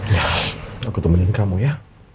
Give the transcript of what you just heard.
ya aku temenin kamu ya